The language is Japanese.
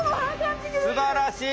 すばらしい！